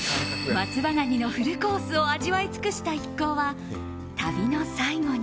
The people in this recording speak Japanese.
松葉ガニのフルコースを味わい尽くした一行は旅の最後に。